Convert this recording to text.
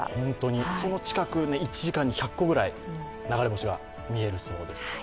その近くに１時間に１００個くらい流れ星が見えるそうです。